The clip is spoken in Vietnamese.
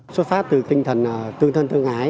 xuất phát từ tinh thần tương thân tương ái